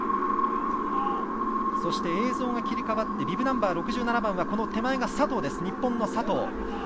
そして映像が切り替わってビブナンバー６７番は日本の佐藤。